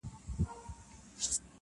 چي مو نه وینمه غم به مي په کور سي -